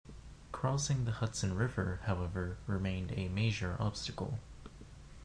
Crossing the Hudson River, however, remained a major obstacle.